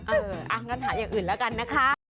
อย่างนั้นหาอย่างอื่นแล้วกันนะคะ